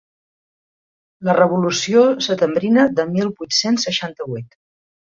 La revolució setembrina de mil vuit-cents seixanta-vuit.